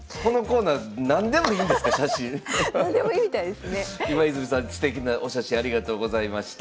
すてきなお写真ありがとうございました。